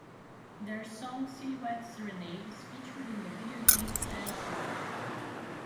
Their song "Silhouette Serenade" is featured in the video game "Saints Row".